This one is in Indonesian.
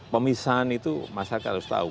pemisahan itu masyarakat harus tahu